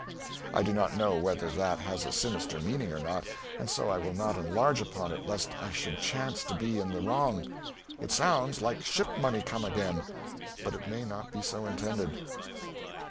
I do not know whether that has a sinister meaning or not, and so I will not enlarge upon it lest I should chance to be in the wrong. It sounds like ship money come again, but it may not be so intended.